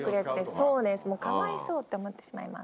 そうですかわいそうって思ってしまいます。